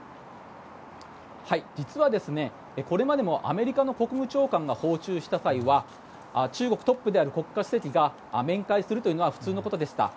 実はこれまでもアメリカの国務長官が訪中した際は中国トップである国家主席が面会するというのは普通のことでした。